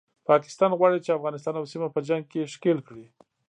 پاکستان غواړي چې افغانستان او سیمه په جنګ کې ښکیل کړي